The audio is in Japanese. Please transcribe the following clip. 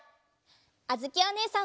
あづきおねえさんも。